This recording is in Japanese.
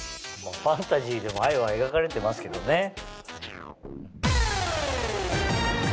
まぁファンタジーでも愛は描かれてますけどね。